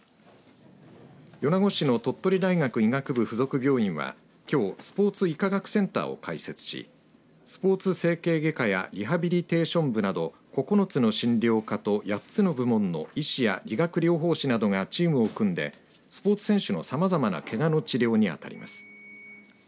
米子市の鳥取大学医学部附属病院は、きょうスポーツ医科学センターを開設しスポーツ整形外科やリハビリテーション部など９つの診療科と８つの部門の医師や理学療法士などがチームを組んでスポーツ選手のさまざまなけがの治療にあたります。